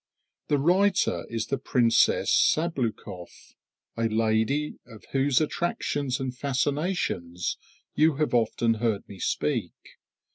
The writer is the Princess Sabloukoff, a lady of whose attractions and fascinations you have often heard me speak.